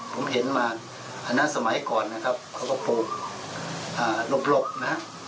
ผมเห็นมาอันนั้นสมัยก่อนนะครับเขาก็ปลูกหลบนะฮะ